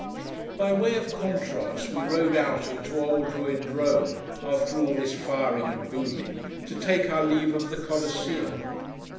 By way of contrast we rode out into old ruined Rome, after all this firing and booming, to take our leave of the Coliseum.